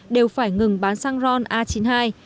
đều phải ngừng bán xăng ron a chín mươi hai